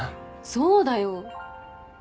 そうだよ。